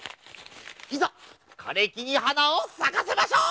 いざかれきにはなをさかせましょう！